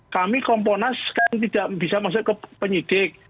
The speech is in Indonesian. kami komponas kan tidak bisa masuk ke penyidik